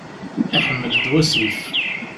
Iḥemmel-d wasif.